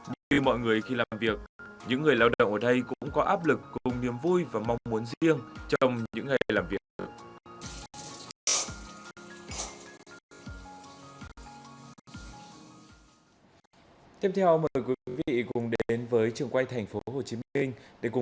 như mọi người khi làm việc những người lao động ở đây cũng có áp lực cùng niềm vui và mong muốn riêng trong những ngày làm việc